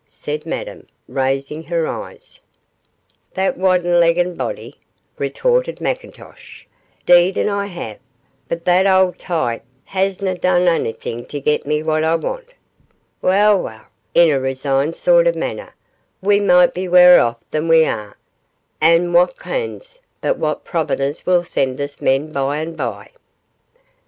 said Madame, raising her eyes. 'That wudden legged body,' retorted McIntosh. 'Deed and I have, but the auld tyke hasna done onything to getting me what I want. Weel, weel,' in a resigned sort of a manner, 'we micht be waur off than we are, an' wha kens but what Providence will send us men by and bye?